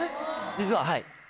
実ははい。